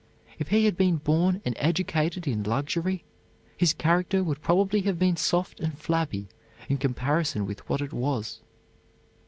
If he had been born and educated in luxury, his character would probably have been soft and flabby in comparison with what it was.